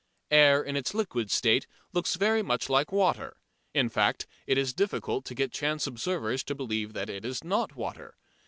Air in its liquid state looks very much like water. In fact it is difficult to get chance observers to believe that it is not water.